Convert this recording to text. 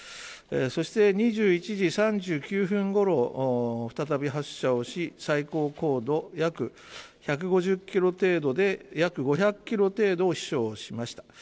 そして、２１時３９分ごろ再び発射をし最高高度、約１５０ｋｍ程度で約５００ｋｍ程度飛翔しました。